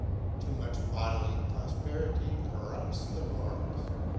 Too much bodily prosperity corrupts the morals.